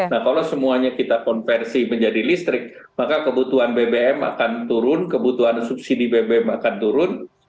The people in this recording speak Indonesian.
nah kalau semuanya kita konversi menjadi listrik maka kebutuhan bbm akan turun kebutuhan subsidi bbm akan turun